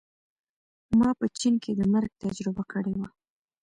ما په چین کې د مرګ تجربه کړې وه